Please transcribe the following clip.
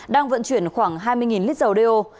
đang vận chuyển khoảng hai mươi lít dầu đeo